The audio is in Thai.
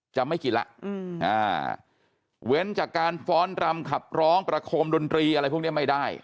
จะไม่กินละเว้นจากการฟ้อนรำขับร้องประคมดนตรีอะไรพวกนี้ไม่ได้